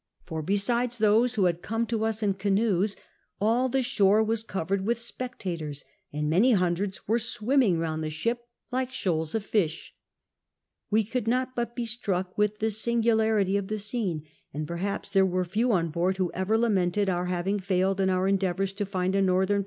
For besides those who had come off to us in canoes, all the shore was covered with spectators, and many hundreds were swimming round the ship like shoals of lisli. We couhl not hut be struck with the singularity of the scene ; and perhaps tliere were few on hoard who ever lamented onr liaving failed in our endeavours to find a northern pa.